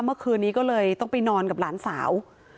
เมื่อคืนนี้ก็เลยต้องไปนอนกับหลานสาว